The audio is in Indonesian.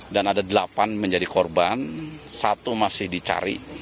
dan ada delapan menjadi korban satu masih dicari